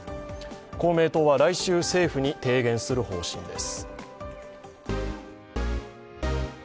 公明党は来週、政府に提言する方針です。